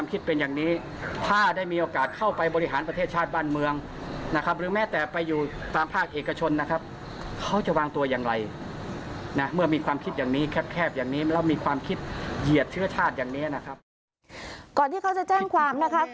ก่อนที่เขาจะแจ้งความนะคะ